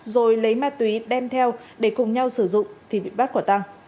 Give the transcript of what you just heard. rồi lấy ma túy đem theo để cùng nhau sử dụng thì bị bắt quả tăng